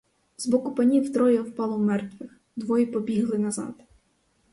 З боку панів троє впало мертвих, двоє побігли назад.